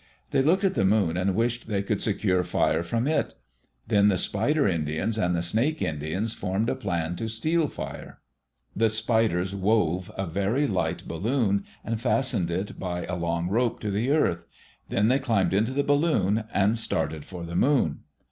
They looked at the moon and wished they could secure fire from it. Then the Spider Indians and the Snake Indians formed a plan to steal fire. The Spiders wove a very light balloon, and fastened it by a long rope to the earth. Then they climbed into the balloon and started for the moon.